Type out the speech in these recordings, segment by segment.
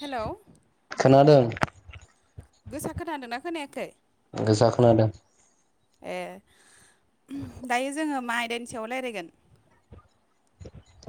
हेल' खोनादों गोसा खोनादों ना खोनायाखै गोसा खोनादों। ए दायो जोङो मा आयदानि सायाव रायज्लायगोन।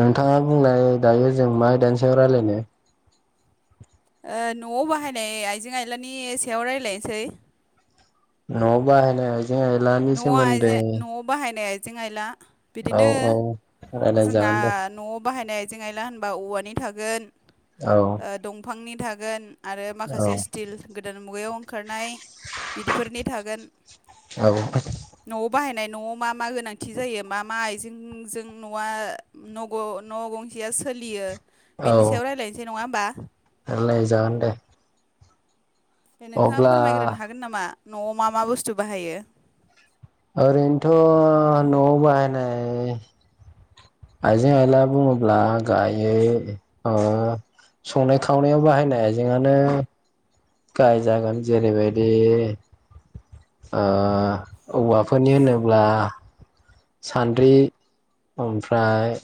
नोंथाङा बुंनाय दायो जों मा आयदानि सायाव रायज्लायनो। न'आव बाहायनाय आइजें आइलानि सायाव रायज्लायनोसै न'आव बाहायनाय आइजें आइलानि न'आव सोमोन्दै आइजें न'आव बाहायनाय आइजें आइला औ बिदिनो औ रायलाय जोंना जागोन दे न'आव बाहायनाय आ। आइजें आइला होनबा औवानि थागोन। औ ओ दंफांनि थागोन आरो औ माखासे स्टिल गोदान मुगायाव ओंखारनाय बिफोरनि। थागोन औ नोंथां न'आव बाहायनाय न'आव मा मा गोनांथि जायो मा मा आइजेंजों न'आ। नग न [unintelligible] ' गंसेया सोलियो औ बेनि सायाव रायज्लायनोसै नङा होमबा। रायलाय जागोन दे द [unintelligible] नोंथाङा अब्ला फोरमायग्रोनो हागोन नामा न'आव मा मा बुस्थु बाहायो। ओरैनोथ' न'आव बाहायनाय। आइजें आइला बुङोब्ला गाहायै ओ संनाय खावनायाव बाहायनाय आइजेंआनो गाय [unintelligible] जागोन जेरैबायदि औवाफोरनि होनोब्ला। सान्द्रि ओमफ्राय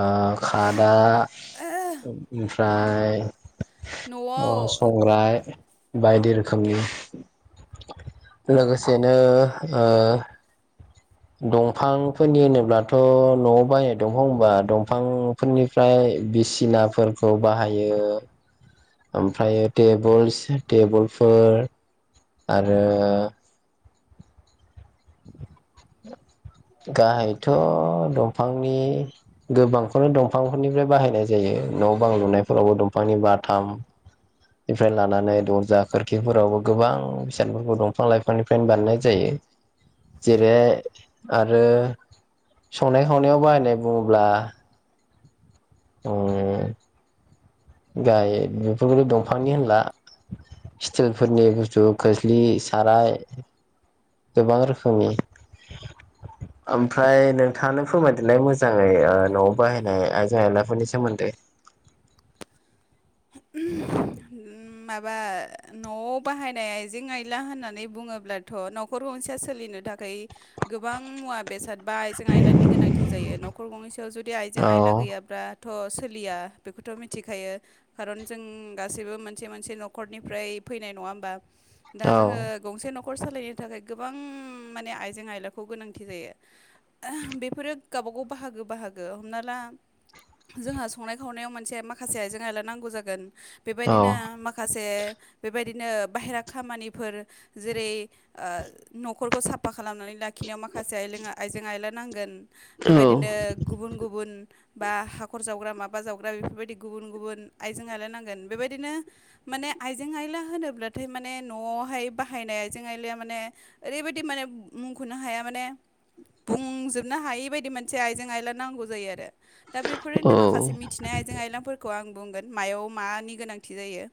ओ खादा ओमफ्राय। न'आव ओ संग्राय बायदि रोखोमनि औ लोगोसे नो। दंफांफोरनि होनोब्लाथ' न'आव बाहायनाय दंफां होनबा दंफांफोरनिफ्राय। बिसिनाफोरखौ बाहायो ओमफ्राय टेबोल [unintelligible] टेबोलफोर आरो। गाहायथ' दंफांनि गोबांखौनो दंफांफोरनिफ्राय बाहायनाय जायो न' बां लुनायफोरावबो दंफांनि बाथाम। इफ्राय लानानै दरजा खोरखिफोरावबो गोबां बिसादफोरखौ दंफां लाइफांनिफ्रायनो बानायनाय जायो। जेरैहाय आरो संनाय खावनायाव बाहायनाय बुङोब्ला। औ। ओम गाय बेफोरखौथ' दंफांनि होनला स्टिलफोरनि बुस्थु। खोस्लि, साराय गोबां रोखोमनि ओमफ्राय नोंथाङानो फोरमायदेरलाय मोजाङै न'आव बाहायनाय आइजें आयलाफोरनि सोमोन्दै। उम माबा न'आव बाहायनाय आइजें-आइला होननानै बुङोब्ला। थ' न'खर गंसेया सोलिनो थाखाय गोबां मुवा बेसाद बा आइजें आयलानि गोनांथि जायो न'खर गंनै सायाव जुदि आइजें औ आयला गैयाब्ला। थ' सोलिया बेखौथ' मिथिखायो। खारन जों गासैबो मोनसे मोनसे न'खरनिफ्राय फैनाय नङा होमबा दा औ जोङो। गंसे न'खर सालायनो थाखाय गोबां माने आइजें आयलाखौ गोनांथि जायो। बेफोरो गावबागाव बाहागो बाहागो हमना ला। जोंहा संनाय खावनायाव मोनसे माखासे आइजें आइला लानांगौ नांगौ जागोन बे औ बायदिनो माखासे बेबायदिनो बाहेरा खामानिफोर जेरै ओ न'खरखौ साफा खालामनानै लाखिनायाव माखासे आइजें आयला नांगोन। बेबायदिनो। गुबुन गुबुन बा हाखर जावग्रा माबा जावग्रा बेफोर बायदि गुबुन गुबुन। आइजें आलाय नांगोन बे बायदिनो माने आइजें-आइला होनोब्लाथाय माने न'आवहाय बाहायनाय आइजें आइलाया माने। ओरैबायदि माने मुंख'नो हाया माने बुंजोबनो हायि बायदि मोनसे आइजें-आइला नांगौ जायो आरो दा औ बेफोरनो माखासे मिथिनाय आइजें आइलांफोरखौ आं बुंगोन। मायाव मानि गोनांथि जायो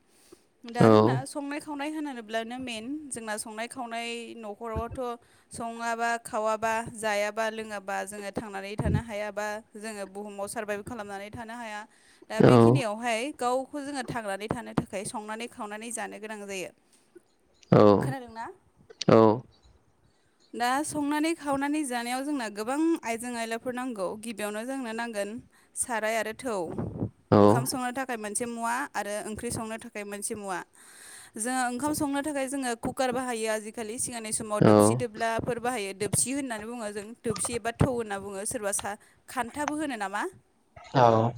दा औ जोंना संनाय-खावनाय़ खावनाय होनोब्लानो मेेन जोंना संनाय-खावनाय न'खरावथ' सङाबा खावाबा जायाबा लोङाबा जोङो थांनानै थानो हायाबा। जोङो बुहुमाव सार्भाइभ खालामनानै थानो हाया दा औ बेखिनियाव गावखौ जोङो थांनानै थानो थाखाय संनानै खावनानै जानो गोनां जायो। खोनादोंना? [inaudible] दा संनानै-खावनानै जानायाव जोंना गोबां आइजें आइलाफोर नांगौ गिबियावनो जोंनो नांगोन। साराय आरो थौ ओंखाम संनो सनो थाखाय मोनसे मुवा आरो ओंख्रि संनो थाखाय मोनसे मुवा जोङो ओंखाम संनो थाखाय जोङो कुकार बाहायो आजिखालि सिगांनि समाव औ दोबसि दोब्लाफोर बाहायो दोबसि होननानै बुङो जों दोबसि एबा थौ होनना बुङो सोरबा सा खान्थाबो होनो नामा? औ।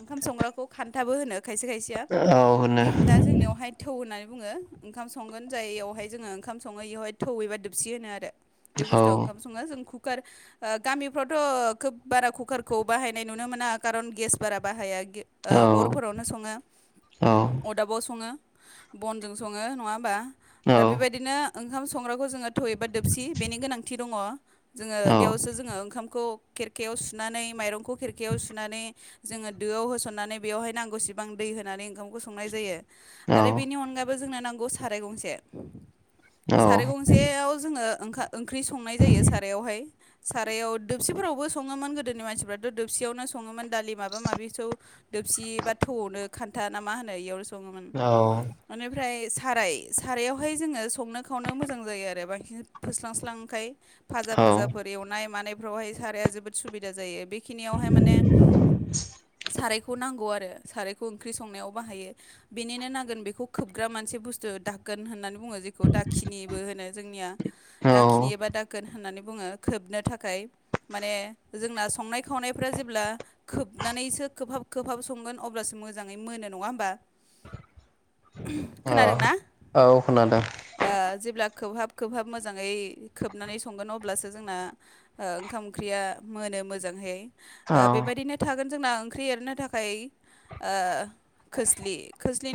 ओंखाम संग्राखौ खान्थाबो होनो खायसे खायसेया औ होनो दा जोंनियावहाय। थौ होननानै बुङो ओंखाम संगोन जाययावहाय जोङो ओंखाम सङो बेयावहाय थौयैबा दोबसि होनो आरो। बे औ बुस्थुआव ओंखाम सङा जों कुकार गामिफ्रावथ' खोब बारा कुकारखौ बाहायनाय नुनो मोना खारन गेस बारा बाहाया। औ अरफोरावनो सङो। औ अरदाबाव सङो बनजों सङो नङा होमबा दा बे बायदिनो ओंखाम संग्राखौ जोङो थाय एबा दोबसि बेनि गोनांथि दङ जोङो औ बेयावसो जोङो ओंखामखौ खेरखायाव सुनानै माइरंखौ खेरखायाव सुनानै जोङो दोआव होसन नानै बेयाव नांगौ सिबां दै होनानै आरो बेनि अनगायै जोंनो नांगौ साराय गंसे साराय गंसेयाव जोंनो ओं ओंख्रि संनाय जायो सारायावहाय। सारायाव दोबसिफोरावबो सङोमोन गोदोनि मानसिफ्राथ' दोबसियावनो सङोमोन दालि माबा माबिखौ दोबसि बा थौआवनो खान्था ना मा होनो बेयावनो औ सङोमोन। बेनिफ्राय साराय सारायावहाय जोङो संनो खावनो मोजां जायो आरो बांसिन फोस्लांस्लांखाय। फाजा फाजाफोर एवनाय मानायफोरावहाय साराया जोबोद सुबिदा जायो बे बेखिनियावहाय माने सारायखौ नांगौ आरो सारायखौ ओंख्रि संनायाव बाहायो। बेनिनो नांगोन बेखौ खोबग्रा मोनसे बुस्थु दागोन होननानै बुङो जेखौ दाखिनिबो होनो जोंनिया औ दाखिनि एबा दागोन होननानै बुङो खोबनो थाखाय माने जोंना संनाय खावनायफ्रा जेब्ला खोबनानैसो खोबहाब खोबहाब संगोन अब्लासो मोजाङै मोनो नङा होमबा? खोनादों ना? औ खोनादों जेब्ला खोबहाब खोबहाब मोजाङै खोबनानै संगोन अब्लासो जोंना ओंखाम ओंख्रिया मोनो मोजांहै औ बेबायदिनो थागोन जोंना ओंख्रि एरनो थाखाय खोस्लि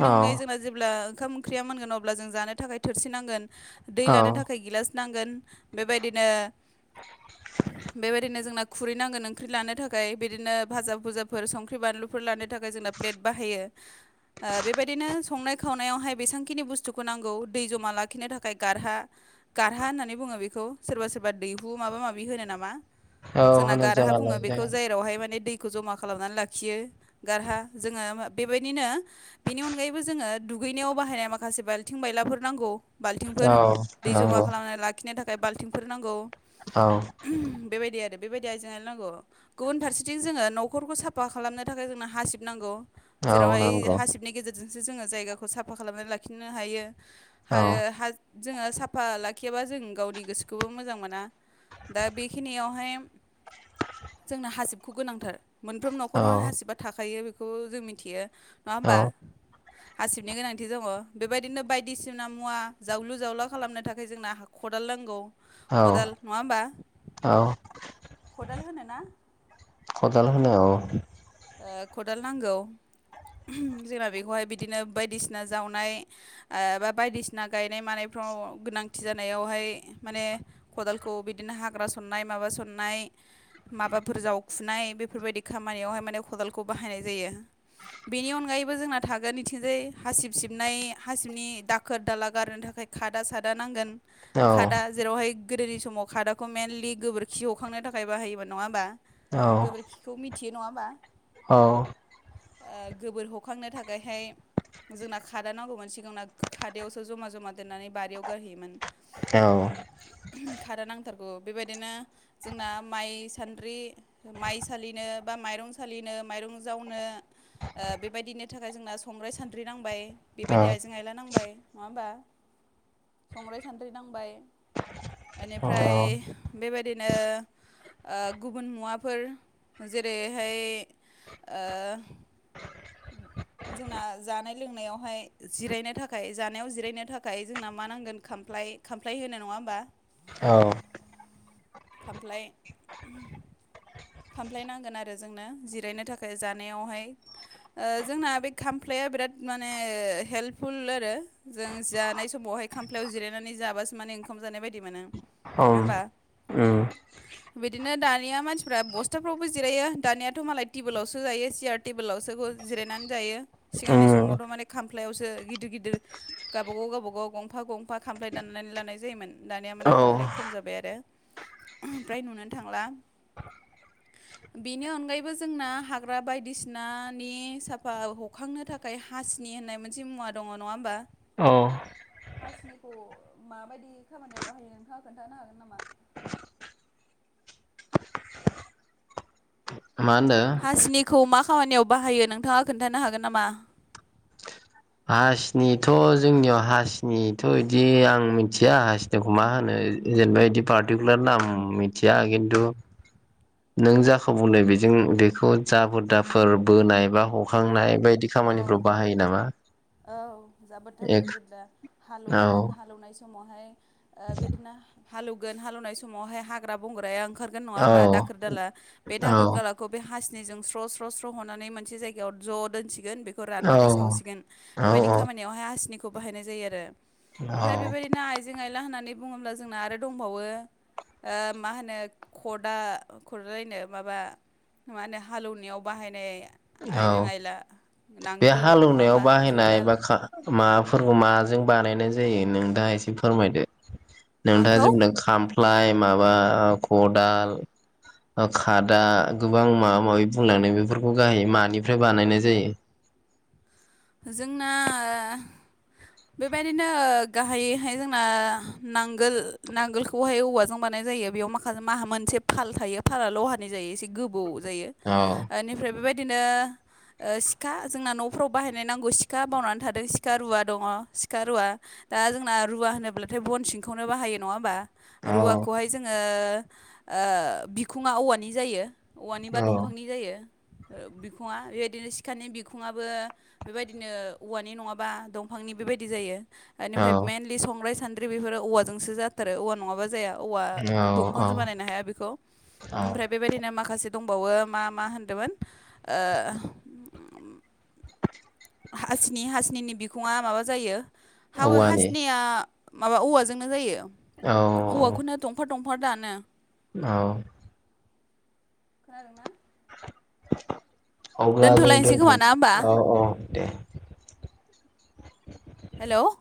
औ अनगायै जोंना जेब्ला ओंखाम ओंख्रिया मोनगोन अब्ला जों जानो थाखाय थोरसि नांगोन। दै औ लानो थाखाय गिलास नांगोन बेबायदिनो बेबायदिनो जोंना खुरैनांगोन ओंख्रि लानो थाखाय बिदिनो भाजा भुजाफोर संख्रि बानलुफोर लानो‌ [unintelligible] बारहोयो बेफोरबादिनो संनाय खावनायावहाय बेसेबांखिनि बुस्थुखौ नांगौ दै जमा लाखिनो थाखाय गारहा गारहा होननानै बुङो बेखौ सोरबा सोरबा दैहु माबा माबि होनो नामा? जोंना होनो गारहा बुङो जागालाय बेखौ जागा जेरावहाय माने दैखौ जमा खालामनानै लाखि खियो गारहा जोङो बेबायदिनो बेनि अनगायैबो जोङो दुगैनायाव बाहायनाय माखासे बाल्थिं बायलाफोर नांगौ। बाल्थिंफोर औ दै जमा खालामनानै लाखिनो थाखाय बाल्थिंफोर नांगौ। औ। बेबायदि आरो बेबायदि आइजें आइलल नांगौ गुबुन फारसेथि जो न'खरखौ साफ साफा खालामनो थाखाय जोंनो हासिब नांगौ जेरावहाय नंगौ हासिबनि गेजेरजों जोंसो जोङो जायगाखौ साफा खालामनानै लाखिनो हायो औ नंगौ औ आरो हा जोङो साफा लाखियाबा जों गावनि गोसोखौबो मोजां मोना। दा बेखिनियावहाय जोंनो हासिबखौ गोनांथार मोनफ्रोम औ न'खराव हासिबा थाखायो बेखौ जों मिथियो नङा औ होमबा? हासिबनि गोनांथि दङ बेबायदिनो बायदिसिना मुवा जावलु जावला खालामनो थाखाय जोंना हा‌ खदाल नांगौ औ खदाल नङा होमबा औ खदाल होनो ना। खदाल होन औ। खदाल नांगौ जोंना बेखौहाय बिदिनो बायदिसिना जावनाय बा बायदिसिना गायनाय मानायफ्राव गोनांथि जानायावहाय माने खदालखौ बिदिनो हाग्रा सननाय माबा सननाय माबाफोर जावखुनाय बेफोरबायदि खामानियावहाय माने खदालखौ बाहायनाय जायो। बेनि अनगायैबो जोंना थागोन बिथिंजाय हासिब सिबनाय हासिबनि दाखोर दाला गारनो थाखाय खादा सादा नांगोन औ खादा जेरावहाय गोदोनि समाव खादाखौ मेेनलि गोबोरखि हखांनो थाखाय बाहायोम नङा होमबा? औ गोबोरखिखौ मिथियो नङा‌ होमबा? औ। गोबोर हखांनो थाखायहाय जोंना खादा नांगौमोन सिगांना खादायावसो जमा जमा दोन्नानै बारियाव गारहैयोमोन। औ। खारो नांथारगौ बेबायदिनो जोंना माइ सान्द्रि माइ सलिनो बा माइरं सालिनो माइरं जावनो बेबायदिनि थाखाय जोंना संग्राय सान्द्रि नांबाय। बेबायदि आइजें आयला नांबाय नङा होमबा संग्राय सानद्रि नांबाय बेनिफ्राय बेबायदिनो ओ गुबुन मुवाफोर जेरै ओ जोंना जानाय लोंनायावहाय जिरायनो थाखाय जानायाव जिरायनो थाखाय जोंना मा नांगोन खामफ्लाय खामफ्लाय होनो नङा होनोमबा औ खामफ्लाय खामफ्लाय नांगोन आरो जोंनो जिरायनो थाखाय जानायावहाय ओ जोंना बे खामफ्लाया बिराद माने हेल्पफुल आरो जों जानाय समावहाय खामफ्लायाव जिरायनानै जाबासो माने ओंखाम जानाय बायदि मोनो। औ‌ नङा होमबा उम बिदिनो दानिया मानसिफ्रा बसथाफ्रावबो जिरायो दानियाथ' मालाय टेबोलावसो जायो सियार टेबोलावसो जिरायनानै जायो उम सिगांनि समावथ' माने खाम फ्लायावसो गिदिर गिदिर गावबाागाव गावबागाव गंफा गंफा खामफ्लाय दाननानै लानाय जायोमोन। दानिया औ माने खामफ्लाया खम जाबाय आरो फ्राय नुनो थांला। बेनि अनगायैबो जोंना हाग्रा बायदिसिना नि साफा हखांनो थाखाय हासिनि होननाय मोनसे मुवा दङ नङा होमबा औ हासिनिखौ माबायदि खामानियाव बाहायो नोंथाङा खोन्थानो हागोन नामा? मा होनदों हासिनिखौ मा खामानियाव बाहायो नोंथाङा खोन्थानो हागोन नामा? हासिनिथ' जोंनियाव हासिनिथ' बिदि आं मिथिया हासि मा होनो जेनेबा बिदि पार्टिकुलार नाम मिथिया खिनथु नों जाखौ बुंदों बेजों बेखौ जाबोर दाफोर बोनाय बा ह अ खांनाय बायदि अ खामानिफ्राव बाहायो नामा? औ जाबोर थाफोर एक जेब्ला हाल एवगोन औ हाल‌ एवनाय समावहाय बिदिनो हाल एवगोन हाल एवनाय समावहाय हाग्रा बंग्राया ओंखार गोन नङा औ होनबा दाखोर दाला बे औ दाखोर दाला खौ बे हाासनिजों स्र' स्र' स्र' हनानै मोनसे जायगायाव ज' दोनसिगोन बेखौ रानबाथाय सावसिगोन बेबायदि औ खामानियावहाय हनिखौ बाहायनाय जायो आरो औ ओमफ्राय बेबायदिनो आइ आइजें आइला होननानै बुङोब्ला जोंना आरो दंबावो मा होनो खदा खदालायनो माबा मा होने हाल एवनायाव बाहायनाय औ आइजें आइला बे नांगोल हाल नङा एवनायाव होमबा बाहायनाय जुंगाल बाखा माबाफोरखौ माजों बानायनाय जायो नोंथाङा एसे फोरमायदो नोंथाङा माखौ जोंनो खामफ्लाय माबा ओ खदाल ओ खादा गोबां माबा माबि बुंनानै बेफोरखौ गाहायै मानिफ्राय बानायनाय जायो जोंना बेबायदिनो गाहायैहाय जोंना नांगोल नांगोलखौ खौहाय औवाजों बानाय जायो बेयाव माखासे मा मोनसे फाल थायो फालाया लहानि जायो एसे गोबौ जायो औ बेनिफ्राय बेबायदिनो सिखा जोंना न'फ्राव बाहायनाय नांगौ सिखा बावनानै थादों सिखा रुवा दङ सिखा रुवा दा जोंना रुवा होनोब्लाथाय बन सिंखौनो बाहायो नङा होमबा औ रुवाखौहाय जोङो ओ बिखुङा औवानि जायो औवानि बा औ दंफांनि जायो बिखुङा बेबायदिनो सिखानि बिखुङाबो बेबायदिनो औवानि नङाबा दंफांनि बेबायदि जायो बेनिफ्राय औ मेनलि बि संग्राय सान्द्रि बेफोर औवाजोंसो जाथारो औवा नङाबा जाया औवा दंफांजों औ बानायनो हाया बेखौ ओमफ्राय बेबायदि बिओदिनो माखासे दंबावो मा मा होनदोंमोन ओ हासिनि हासिनिनि बिखुङा माबा जायो हा औवानि हासिनिया माबा औवाजोंनो जायो औ औवाखौनो थंफा थंफा दानो औ खोनादों ना अब्ला जों दोनथ'लायनोसै खोमा ना होमबा दोनथनोसै औ औ दे हेलौ